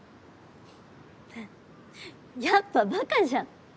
やっぱバカじゃん。